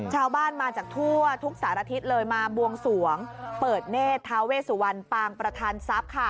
ชาวบ้านมาจากทั่วทุกสารทิศเลยมาบวงสวงเปิดเนธทาเวสุวรรณปางประธานทรัพย์ค่ะ